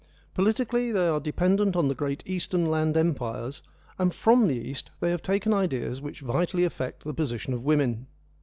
Politically they are dependent on the great Eastern land empires, and from the East they have taken ideas which vitally affect the position of women.